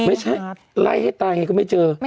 ไม่ใช่ไล่ให้ตายไงก็ไม่เจอ